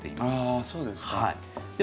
あそうですか。